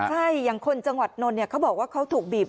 ใช่อย่างคนจังหวัดนนท์เขาบอกว่าเขาถูกบีบ